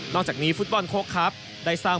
จากนี้ฟุตบอลโค้กครับได้สร้าง